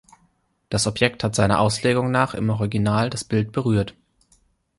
Das Objekt hat seiner Auslegung nach im Original das Bild berührt.